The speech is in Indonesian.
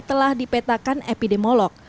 telah dipetakan epidemiolog